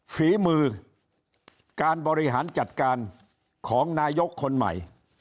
ฝีมือการบริหารจัดการของนายกคนใหม่